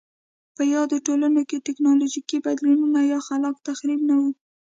په یادو ټولنو کې ټکنالوژیکي بدلونونه یا خلاق تخریب نه و